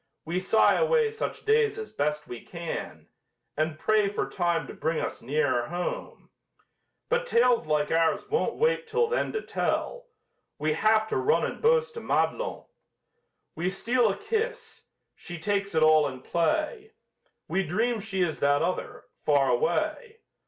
We sigh away such days as best we can, And pray for time to bring us nearer home, But tales like ours won't wait till then to tell We have to run and boast to Madelon. We steal a kiss she takes it all in play; We dream she is that other far away.